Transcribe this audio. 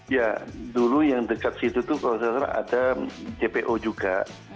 ya dulu yang dekat situ tuh kalau saya salah ada jpo juga